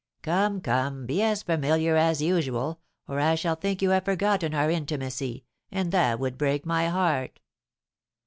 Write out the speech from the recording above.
"Come, come, be as familiar as usual, or I shall think you have forgotten our intimacy, and that would break my heart."